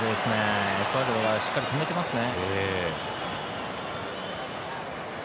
エクアドルはしっかり止めていますね。